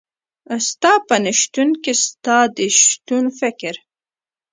ستا په نشتون کي ستا د شتون فکر